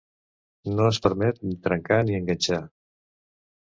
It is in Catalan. No es permet ni trencar ni enganxar.